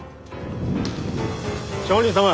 上人様。